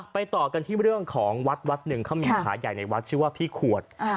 ต่อกันที่เรื่องของวัดวัดหนึ่งเขามีขาใหญ่ในวัดชื่อว่าพี่ขวด